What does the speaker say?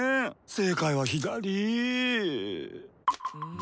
正解は左ぃ。